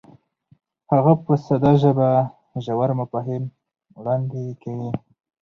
هغه په ساده ژبه ژور مفاهیم وړاندې کوي.